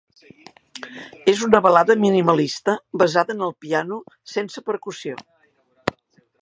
És una balada minimalista basada en el piano sense percussió.